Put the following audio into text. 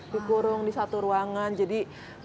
dikurung di satu ruangan jadi